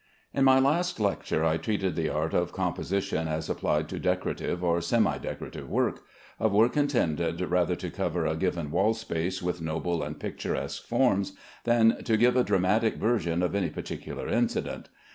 In my last lecture I treated the art of composition as applied to decorative or semi decorative work of work intended rather to cover a given wall space with noble and picturesque forms than to give a dramatic version of any particular incident.